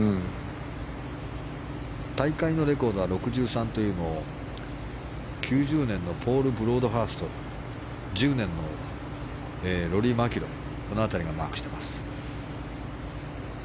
大会のレコードは６３というのを９０年のポール・ブロードハースト１０年のローリー・マキロイがマークしています。